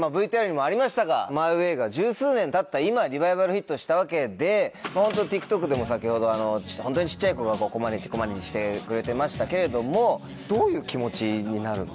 ＶＴＲにもありましたが『ＭｙＷａｙ』が十数年たった今リバイバルヒットしたわけでＴｉｋＴｏｋでも先ほどホントに小っちゃい子がコマネチコマネチしてくれてましたけれどもどういう気持ちになるんですか？